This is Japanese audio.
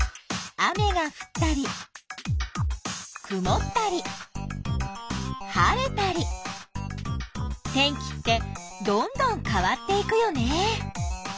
雨がふったりくもったり晴れたり天気ってどんどん変わっていくよね。